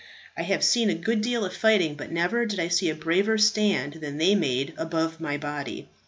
I have seen a good deal of fighting, but never did I see a braver stand than they made above my body.